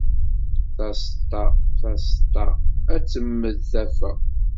Taseṭṭa, taseṭṭa, ad temmed taffa.